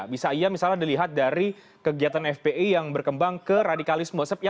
bisa iya misalnya dilihat dari kegiatan fpi yang berkembang ke radikalisme